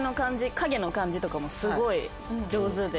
影の感じとかもすごい上手で。